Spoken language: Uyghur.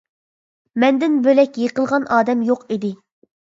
مەندىن بۆلەك يىقىلغان ئادەم يوق ئىدى.